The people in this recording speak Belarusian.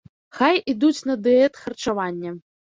Хай ідуць на дыетхарчаванне.